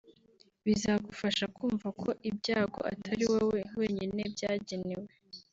bizagufasha kumva ko ibyago atari wowe wenyine byagenewe